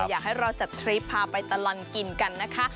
อยากให้เราจัดทริปพาไปตลอดกินกันนะคะ